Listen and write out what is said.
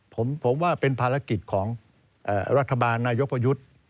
ผมว่าเป็นภารกิจของรัฐบาลนายกประยุทธ์